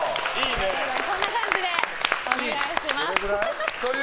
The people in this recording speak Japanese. こんな感じでお願いします。